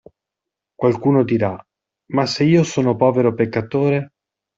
Qualcuno dirà: ma se io sono povero peccatore?